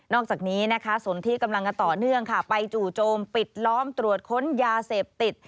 อกจากนี้นะคะส่วนที่กำลังกันต่อเนื่องค่ะไปจู่โจมปิดล้อมตรวจค้นยาเสพติด